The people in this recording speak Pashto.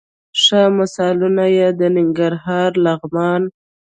ښه مثالونه یې د ننګرهار، لغمان،